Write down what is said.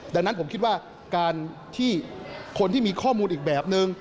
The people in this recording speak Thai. ดังนั้นผมคิดว่าการที่คนที่มีข้อมูลอีกแบบนึง